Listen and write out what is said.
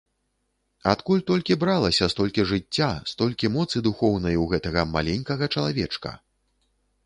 Адкуль толькі бралася столькі жыцця, столькі моцы духоўнай у гэтага маленькага чалавечка!